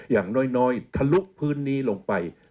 อย่างน้อยทะลุพื้นนี้ลงไป